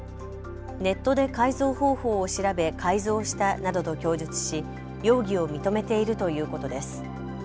ネットで改造方法を調べ改造したなどと供述し容疑を認めているということです。